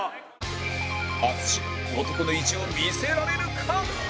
淳男の意地を見せられるか？